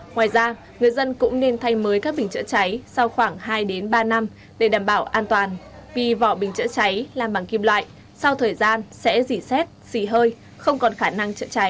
ngoài ra người dân cũng nên thay mới các bình chữa cháy sau khoảng hai ba năm để đảm bảo an toàn vì vỏ bình chữa cháy làm bằng kim loại sau thời gian sẽ dỉ xét xỉ hơi không còn khả năng chữa cháy